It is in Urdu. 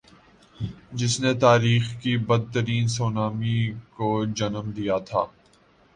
جس نی تاریخ کی بدترین سونامی کو جنم دیا تھا۔